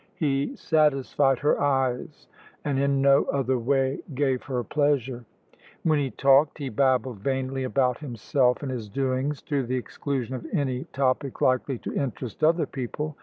He satisfied her eyes, and in no other way gave her pleasure. When he talked, he babbled vainly about himself and his doings, to the exclusion of any topic likely to interest other people.